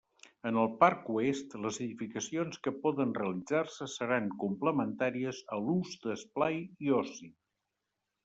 En el parc oest, les edificacions que poden realitzar-se seran complementàries a l'ús d'esplai i oci.